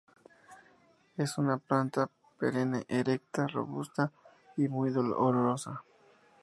Es una planta perenne, erecta, robusta y muy olorosa.